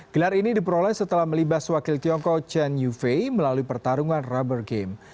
gelar ini diperoleh setelah melibas wakil tiongkok chen yufei melalui pertarungan rubber game